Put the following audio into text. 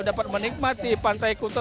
dapat menikmati pantai kuta